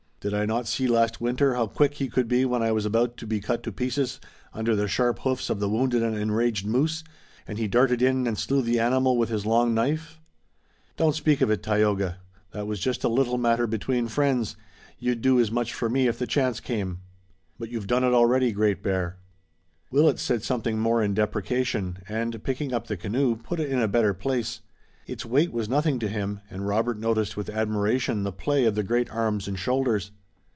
"Did I not see last winter how quick he could be when I was about to be cut to pieces under the sharp hoofs of the wounded and enraged moose, and he darted in and slew the animal with his long knife?" "Don't speak of it, Tayoga. That was just a little matter between friends. You'd do as much for me if the chance came." "But you've done it already, Great Bear." Willet said something more in deprecation, and picking up the canoe, put it in a better place. Its weight was nothing to him, and Robert noticed with admiration the play of the great arms and shoulders.